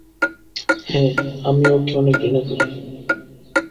হ্যাঁ, আমি ওকে অনেক ঘৃণা করি।